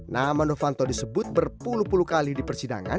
nama novanto disebut berpuluh puluh kali di persidangan